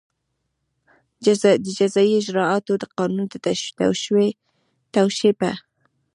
د جزایي اجراآتو د قانون د توشېح په